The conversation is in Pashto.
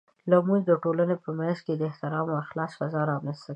لمونځ د ټولنې په منځ کې د احترام او اخلاص فضاء رامنځته کوي.